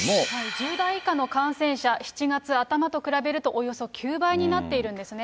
１０代以下の感染者、７月頭と比べるとおよそ９倍になっているんですね。